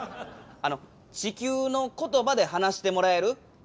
あの地球の言葉で話してもらえる？